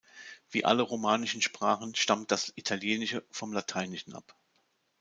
Wie alle romanischen Sprachen stammt das Italienische vom Lateinischen ab.